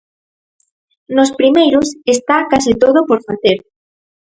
Nos primeiros está case todo por facer.